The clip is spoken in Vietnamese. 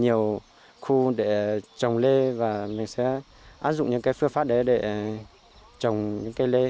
nhiều khu để trồng lê và mình sẽ áp dụng những phương pháp để trồng cây lê